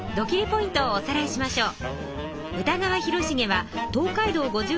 ポイントをおさらいしましょう。